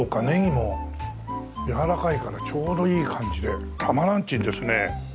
ネギもやわらかいからちょうどいい感じでたまらんちんですね。